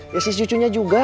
ya si cucunya juga